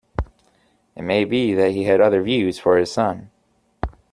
It may be that he had other views for his son.